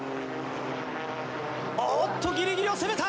おっとギリギリを攻めた！